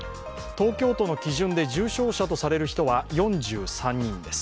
東京都の基準で重症者とされる人は４３人です。